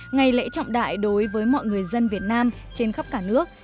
ngày lễ trọng đại đối với mọi người dân việt nam trên khắp cả nước